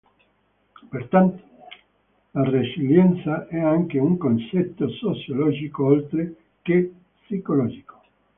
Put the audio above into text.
Pertanto, la resilienza è anche un concetto sociologico oltre che psicologico.